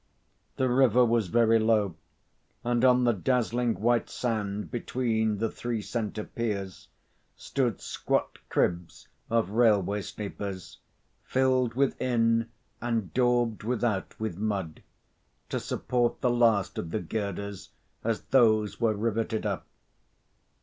The river was very low, and on the dazzling white sand between the three centre piers stood squat cribs of railway sleepers, filled within and daubed without with mud, to support the last of the girders as those were riveted up.